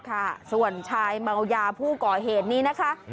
ค่ะส่วนชายเมายาผู้ก่อเหตุนี้นะคะ